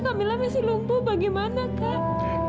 kami masih lumpuh bagaimana kak